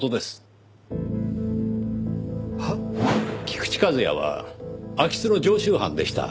菊池和哉は空き巣の常習犯でした。